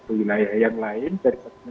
ke wilayah yang lain